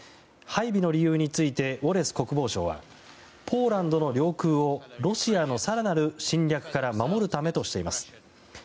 配備の理由についてウォレス国防相はポーランドの領空をロシアの更なる侵略から守るためとしています。